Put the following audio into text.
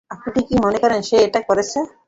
আপনি কি মনে করেন সে এটা করেছে?